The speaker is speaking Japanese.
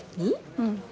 うん。